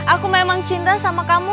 aku memang cinta sama kamu